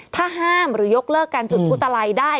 ถ้าห้ามหรือยกเลิกการจุดผู้ตลัยได้